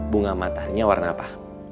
bunga mataharinya warna apa